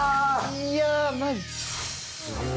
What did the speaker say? いやマジ？